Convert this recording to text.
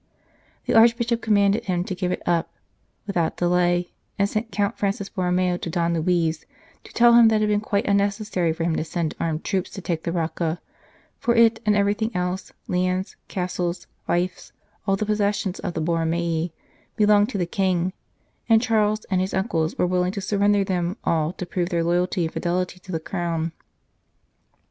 The Archbishop commanded him to give it up 108 Church versus State without delay, and sent Count Francis Borromeo to Don Luis to tell him that it had been quite unnecessary for him to send armed troops to take the Rocca ; for it and everything else lands, castles, fiefs, all the possessions of the Borromei belonged to the King, and Charles and his uncles were willing to surrender them all to prove their loyalty and fidelity to the Crown.